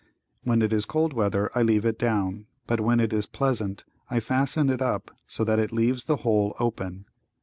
When it is cold weather I leave it down, but when it is pleasant I fasten it up so that it leaves the hole open.